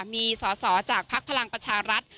มีสอสอจากภักดิ์พลังประชารัฐ